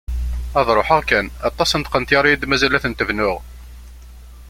Ad ruḥeɣ kan; aṭas n tqenṭyar i yi-d-mazal ad tent-bnuɣ!